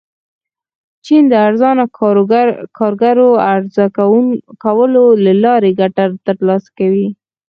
چین د ارزانه کارګرو عرضه کولو له لارې ګټه ترلاسه کوي.